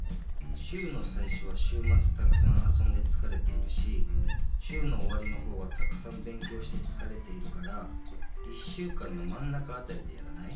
週のさいしょは週まつたくさんあそんでつかれているし週のおわりのほうはたくさん勉強してつかれているから１週間のまんなかあたりでやらない？